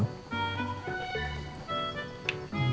ya wajar dong